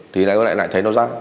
thì lại thấy nó ra